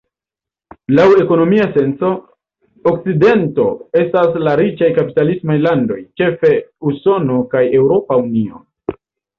Laŭ ekonomia senco, Okcidento estas la riĉaj kapitalismaj landoj, ĉefe Usono kaj Eŭropa Unio.